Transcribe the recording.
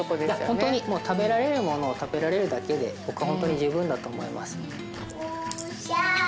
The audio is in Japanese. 本当に食べられるものを食べられるだけで僕は本当に十分だと思います。